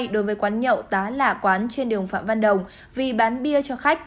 đối với quán nhậu tá lạ quán trên đường phạm văn đồng vì bán bia cho khách